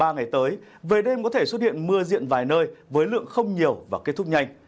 ba ngày tới về đêm có thể xuất hiện mưa diện vài nơi với lượng không nhiều và kết thúc nhanh